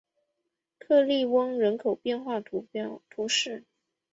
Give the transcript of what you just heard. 克利翁人口变化图示